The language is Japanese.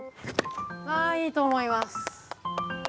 あいいと思います！